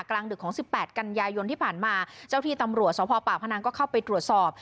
กลางดึกของสิบแปดกันยายนที่ผ่านมาเจ้าที่ตำรวจสพปากพนังก็เข้าไปตรวจสอบ